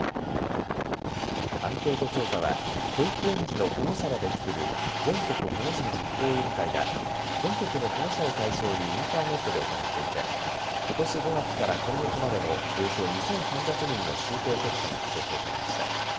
アンケート調査は保育園児の保護者らで作る全国保護者実行委員会が全国の保護者を対象にインターネットで行っていてことし５月から今月までのおよそ２３００人の集計結果が公表されました。